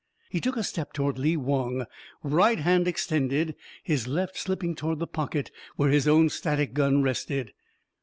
He took a step toward Lee Wong, right hand extended, his left slipping toward the pocket where his own static gun rested.